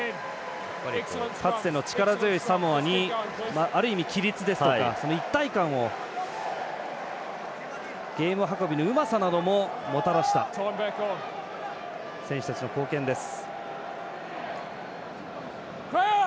かつての力強いサモアにある意味、規律ですとか一体感をゲーム運びのうまさなどももたらした選手たちの貢献です。